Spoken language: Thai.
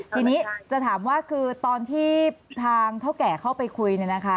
ทีนี้จะถามว่าคือตอนที่ทางเท่าแก่เข้าไปคุย